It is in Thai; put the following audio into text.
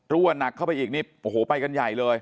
หนักเข้าไปอีกนี่โอ้โหไปกันใหญ่เลย